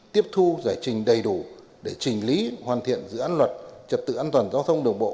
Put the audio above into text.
tiếp thu giải trình đầy đủ để trình lý hoàn thiện dự án luật trật tự an toàn giao thông đường bộ